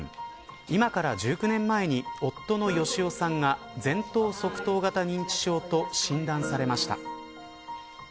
今から１９年前に夫の好夫さんが前頭側頭型認知症と診断されました。